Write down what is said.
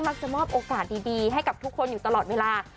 มักจะมอบโอกาสดีให้กับทุกคนอยู่ตลอดเวลา